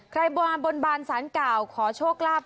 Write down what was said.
ใครบวาบนบางสารเก๋าขอโชคลาภ